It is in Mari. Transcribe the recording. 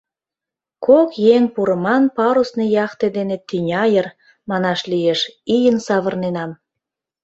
Кок еҥ пурыман парусный яхте дене тӱня йыр, манаш лиеш, ийын савырненам.